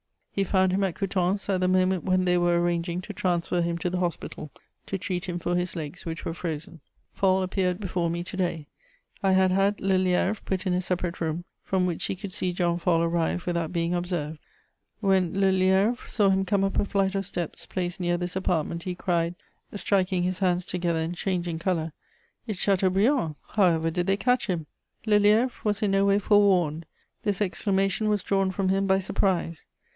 He found him at Coutances, at the moment when they were arranging to transfer him to the hospital, to treat him for his legs, which were frozen. "Fall appeared before me to day. I had had Lelièvre put in a separate room, from which he could see John Fall arrive without being observed. When Lelièvre saw him come up a flight of steps placed near this apartment, he cried, striking his hands together and changing colour: "'It's Chateaubriand! However did they catch him?' "Lelièvre was in no way forewarned. This exclamation was drawn from him by surprise.